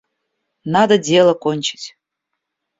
Надо дело кончить.